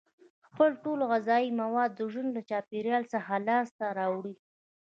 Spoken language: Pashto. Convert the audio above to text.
خپل ټول غذایي مواد د ژوند له چاپیریال څخه لاس ته راوړي.